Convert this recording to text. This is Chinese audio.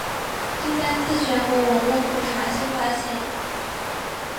第三次全国文物普查新发现。